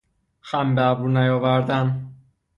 خم به ابرو نیاوردن